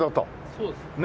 そうです。